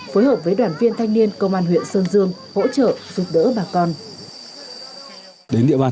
phối hợp với đoàn viên thanh niên công an huyện sơn dương hỗ trợ giúp đỡ bà con